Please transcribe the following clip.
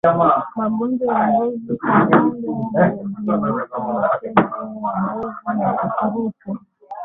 Magonjwa ya ngozi kwa ngombe hujumuisha mapele ya ngozi na ukurutu